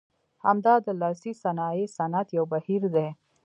همدا د لاسي صنایع صنعت یو بهیر دی.